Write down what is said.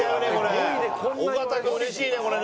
尾形君嬉しいねこれね。